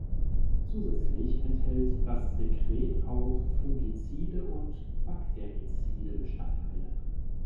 Zusätzlich enthält das Sekret auch fungizide und bakterizide Bestandteile.